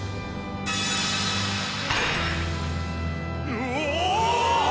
うお！